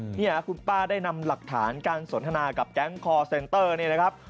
นี่คุณป้าได้นำหลักฐานการสนทนากับแก๊งคอร์เซ็นเตอร์นี่นะครับ